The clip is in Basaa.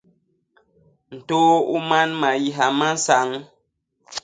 Ntôô u man, mayiha ma nsañ.